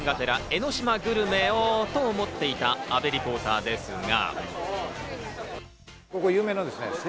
江の島グルメをと思っていた阿部リポーターですが。